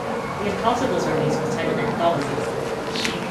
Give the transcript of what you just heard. The Impossibles release was titled "Anthology".